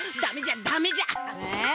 ダメじゃダメじゃ！え？